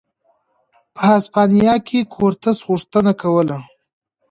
په هسپانیا کې کورتس غوښتنه کوله.